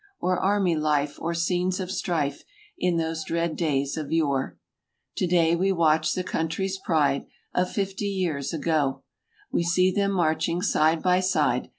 Or army life, or scenes of strife. In those dread days of yore. Today we watch the country's pride Of fifty years ago; We see them marching side by side.